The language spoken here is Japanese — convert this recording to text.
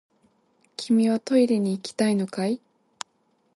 君はトイレに行きたいのかい？